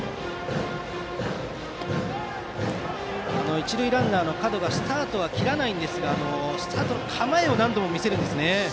一塁ランナーの角がスタートは切らないんですがスタートの構えを何度も見せるんですよね。